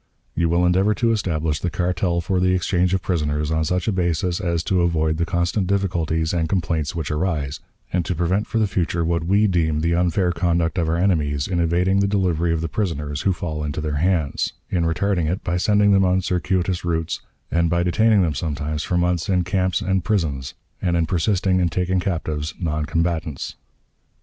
You will endeavor to establish the cartel for the exchange of prisoners on such a basis as to avoid the constant difficulties and complaints which arise, and to prevent for the future what we deem the unfair conduct of our enemies in evading the delivery of the prisoners who fall into their hands; in retarding it by sending them on circuitous routes, and by detaining them sometimes for months in camps and prisons; and in persisting in taking captives non combatants.